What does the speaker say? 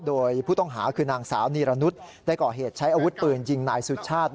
โดยผู้ต้องหาคือนางสาวนีรนุษย์ได้ก่อเหตุใช้อาวุธปืนยิงนายสุชาติ